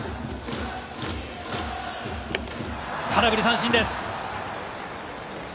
空振り三振です。